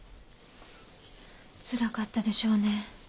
つらかったでしょうね。